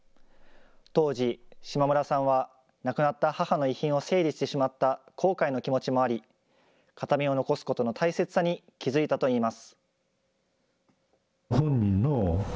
当時、島邑さんは亡くなった母の遺品を整理してしまった後悔の気持ちもあり、形見を残すことの大切さに気付いたといいます。